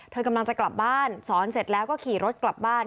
กำลังจะกลับบ้านสอนเสร็จแล้วก็ขี่รถกลับบ้าน